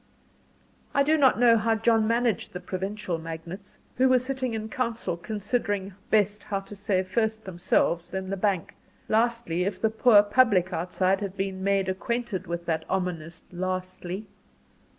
I do not know how John managed the provincial magnates, who were sitting in council considering how best to save, first themselves, then the bank, lastly If the poor public outside had been made acquainted with that ominous "lastly!"